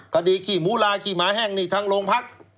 คดีขี้หมูลาขี้หมาแห้งนี่ทางโรงพัก